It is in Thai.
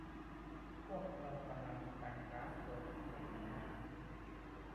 พวกเรากำลังจะไปกลาสโกวในปีหน้า